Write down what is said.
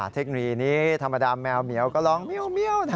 เทคนิคนี้ธรรมดาแมวเหมียวก็ลองเหมียว